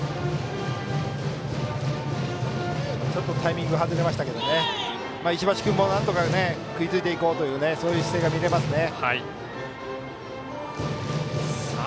タイミングが外れましたけども石橋君も、なんとか食いついていこうというそういう姿勢が見れますね。